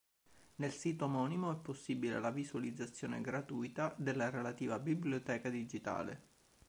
Nel sito omonimo è possibile la visualizzazione gratuita della relativa biblioteca digitale.